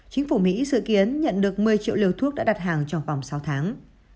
chính phủ mỹ dự kiến nhận được một mươi triệu liều thuốc đã đặt hàng trong vòng sáu tháng